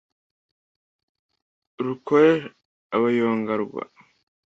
rukorer-abayonga rwa